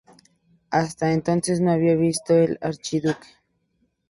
Hasta entonces no había visto al Archiduque.